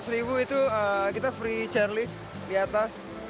tiga ratus ribu itu kita free chairlift di atas